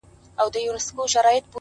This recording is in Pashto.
• ښاغلی محمد صدیق پسرلي,